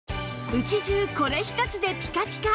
家中これ一つでピカピカ！